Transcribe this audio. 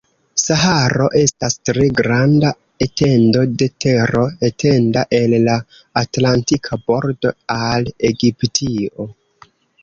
Saharo estas tre granda etendo de tero etenda el la Atlantika bordo al Egiptio.